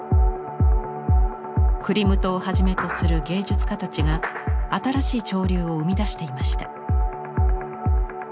クリムトをはじめとする芸術家たちが新しい潮流を生み出していました。